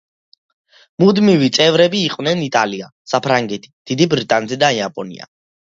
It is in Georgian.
მუდმივი წევრები იყვნენ იტალია, საფრანგეთი, დიდი ბრიტანეთი და იაპონია.